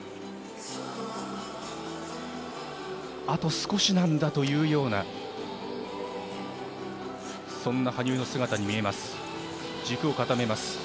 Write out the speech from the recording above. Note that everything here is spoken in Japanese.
あと少しなんだというようなそんな羽生の姿に見えます。